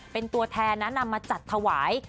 เป็นตัวแทนนะนำมาจัดถวาย